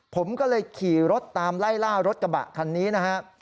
ผมก็เลยขี่รถตามไล่ล่ารถกระบะคันนี้นะฮะ